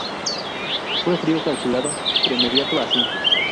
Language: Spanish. Fue frío, calculado, premeditado, así.